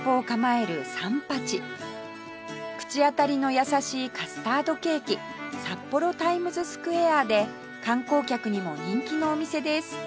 口当たりの優しいカスタードケーキ札幌タイムズスクエアで観光客にも人気のお店です